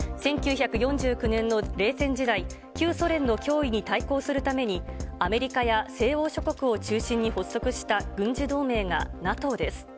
１９４９年の冷戦時代、旧ソ連の脅威に対抗するために、アメリカや西欧諸国を中心に発足した軍事同盟がＮＡＴＯです。